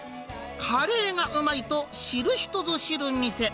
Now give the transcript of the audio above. カレーがうまいと、知る人ぞ知る店。